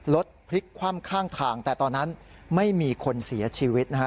รถพลิกคว่ำข้างทางแต่ตอนนั้นไม่มีคนเสียชีวิตนะฮะ